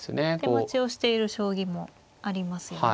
手待ちをしている将棋もありますよね。